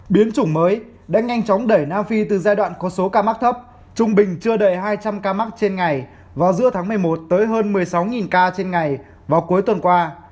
biến chủng mới đã nhanh chóng đẩy nam phi từ giai đoạn có số ca mắc thấp trung bình chưa đầy hai trăm linh ca mắc trên ngày vào giữa tháng một mươi một tới hơn một mươi sáu ca trên ngày vào cuối tuần qua